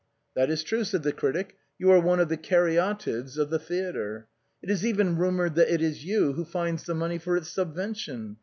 " That is true," said the critic, " you are one of the caryatides of the theatre. It is even rumored that it is you who finds the money for its subvention.